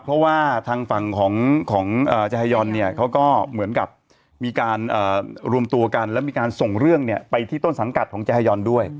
เพราะว่าทางฝั่งของจาฮายอนเนี่ยเขาก็เหมือนกับมีการรวมตัวกันแล้วมีการส่งเรื่องไปที่ต้นสังกัดของแยอนด้วย